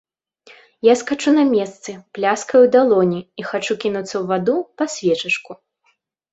Я скачу на месцы, пляскаю ў далоні і хачу кінуцца ў ваду па свечачку.